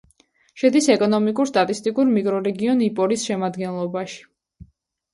შედის ეკონომიკურ-სტატისტიკურ მიკრორეგიონ იპორის შემადგენლობაში.